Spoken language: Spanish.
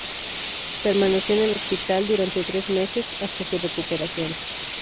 Permaneció en el hospital durante tres meses hasta su recuperación.